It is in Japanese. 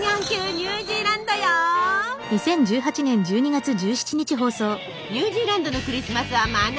ニュージーランドのクリスマスは真夏。